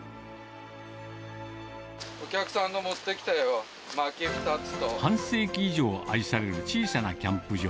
お客さんの持ってきたよ、半世紀以上愛される小さなキャンプ場。